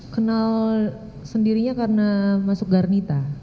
kenal sendirinya karena masuk garnita